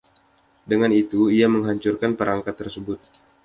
Dengan itu, ia menghancurkan perangkat tersebut.